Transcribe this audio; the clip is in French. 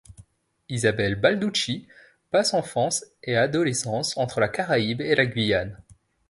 Isabelle Balducchi passe enfance et adolescence entre la Caraïbe et la Guyane.